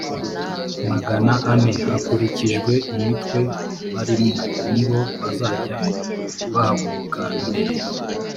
magana ane hakurikijwe imitwe barimo ni bo bazajya bahaguruka mbere